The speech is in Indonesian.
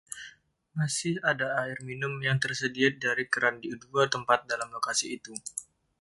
Masih ada air minum yang tersedia dari keran di dua tempat dalam lokasi itu.